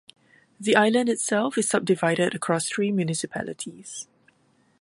The island itself is subdivided across three municipalities.